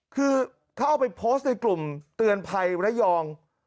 คือเขาเอาไปโพสต์ในกลุ่มเตือนภัยระยอง